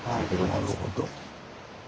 なるほど。